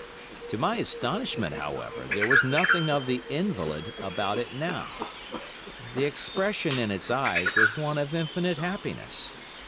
To my astonishment, however, there was nothing of the invalid about it now. The expression in its eyes was one of infinite happiness.